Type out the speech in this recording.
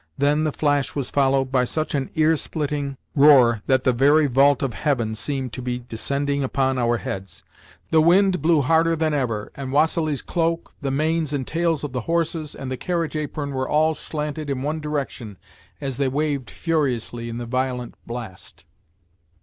Then, the flash was followed by such an ear splitting roar that the very vault of heaven seemed to be descending upon our heads. The wind blew harder than ever, and Vassili's cloak, the manes and tails of the horses, and the carriage apron were all slanted in one direction as they waved furiously in the violent blast.